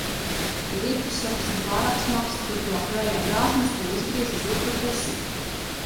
Lietussargs ir pārāk smags, turklāt vēja brāzmas to izgriež uz otru pusi.